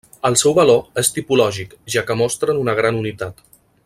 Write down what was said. El seu valor és tipològic, ja que mostren una gran unitat.